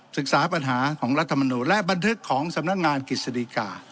ศึกษาปัญหาของรัฐมนูลและบันทึกของสำนักงานกฤษฎิกา